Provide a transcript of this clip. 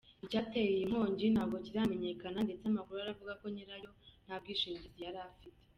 Icyateye iyi nkongi ntabwo kiramenyekana ndetse amakuru aravuga ko nyirayo nta bwishingizi yari afite.